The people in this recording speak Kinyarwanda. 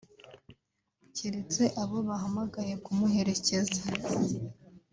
keretse abo bahamagaye kumuherekeza